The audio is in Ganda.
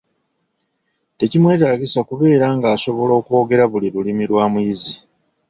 Tekimwetaagisa kubeera ng’asobola okwogera buli Lulimi lwa muyizi.